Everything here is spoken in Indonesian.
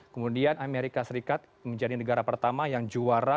kemudian amerika serikat menjadi negara pertama yang juara